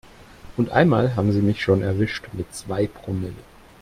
Und einmal haben sie mich schon erwischt mit zwei Promille.